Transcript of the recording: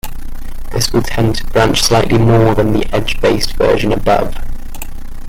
This will tend to branch slightly more than the edge-based version above.